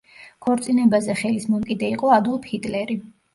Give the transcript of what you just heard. ქორწინებაზე ხელისმომკიდე იყო ადოლფ ჰიტლერი.